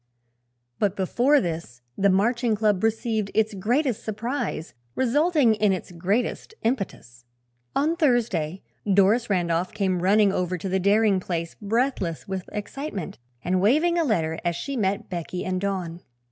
But before this the Marching Club received its greatest surprise, resulting in its greatest impetus. On Thursday Doris Randolph came running over to the Daring place breathless with excitement and waving a letter as she met Becky and Don.